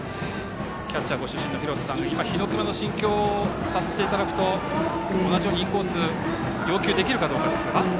キャッチャーご出身の廣瀬さん日隈の心境を察していただくと同じようにインコース要求できるかどうか。